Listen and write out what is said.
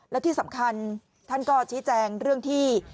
และที่สำคัญท่านก็ชี้แจงเรื่องที่